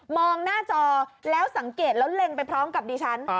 หน้าจอแล้วสังเกตแล้วเล็งไปพร้อมกับดิฉัน